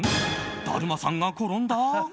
だるまさんが転んだ？